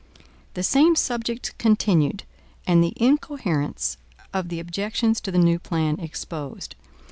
38 The Same Subject Continued, and the Incoherence of the Objections to the New Plan Exposed.